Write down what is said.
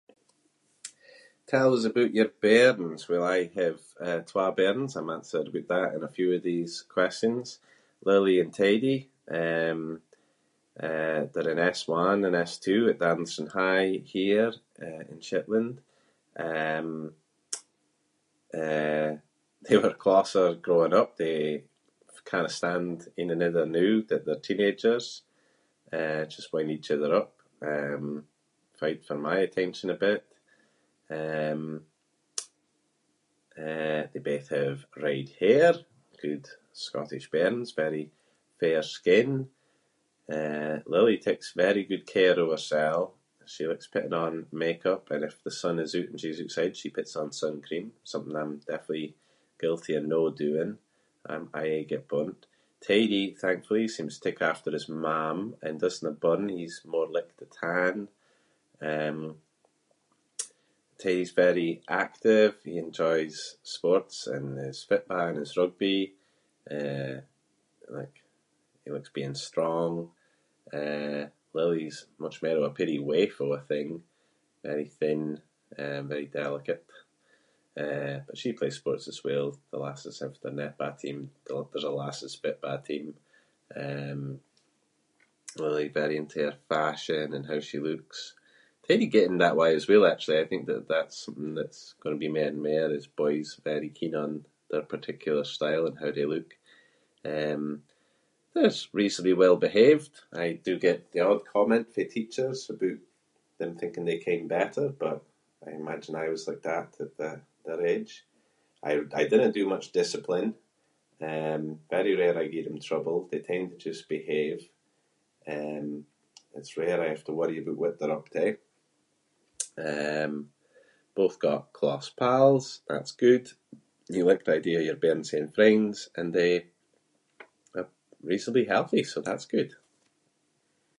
Tell us aboot your bairns. Well I have, eh, twa bairns. I answered aboot that in a few of these questions. Lily and Teddy. Um, eh, they’re in S one and S two at Anderson High here in Shetland. Um, eh, they were closer growing up- they cannae stand ain another noo that they’re teenagers. Eh, just wind each other up- um, fight for my attention a bit. Um, eh, they both have red hair- good Scottish bairns, very fair skin. Eh, Lily takes very good care of hersel. She likes putting on make-up and if the sun is oot and she’s ootside, puts on sun cream, something I’m definitely guilty of no doing. Um, I aie get burnt. Teddy, thankfully, seems to take after his mam and doesnae burn, he’s more likely to tan. Um, Teddy’s very active. He enjoys sports and his footba’ and his rugby. Eh, like- he likes being strong. Eh, Lily’s much mair of a peerie waif of a thing- very thin, um, very delicate, eh, but she plays sports as well. The lassies have their netba’ team. There- there’s a lassies’ footba’ team. Um, Lily very into her fashion and how she looks- Teddy getting that way as well actually. I think that that’s something gonna be mair and mair is boys very keen on their particular style and how they look. Um, they’re s- reasonably well-behaved. I do get the odd comment fae teachers aboot them thinking they ken better but I imagine I was like that at that- their age. I w- I dinna do much discipline. Um, very rare I gie them trouble, they tend to just behave. Um, it’s rare I have to worry aboot what they’re up to. Eh, both got class pals. That’s good. You like the idea of your bairns haeing friends. And they are reasonably healthy so that’s good.